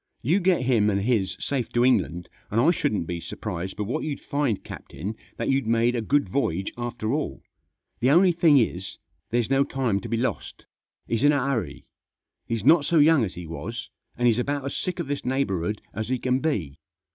You get him and his safe to England, Digitized by 238 THE JOSS. and I shouldn't be surprised but what you'd find, captain, that you'd made a good voyage after all. The only thing is, there's no time to be lost. He's in a hurry. He's not so young as he was, and he's about as sick of this neighbourhood as he can be."